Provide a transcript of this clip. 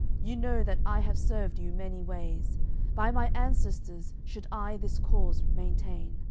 You know that I have served you many ways: By my ancestors should I this cause maintain.